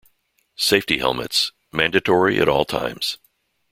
Safety helmets: Mandatory at all times.